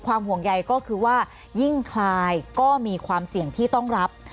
ห่วงใยก็คือว่ายิ่งคลายก็มีความเสี่ยงที่ต้องรับ